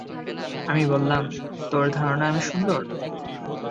আমি বললাম, তোর ধারণা আমি সুন্দর?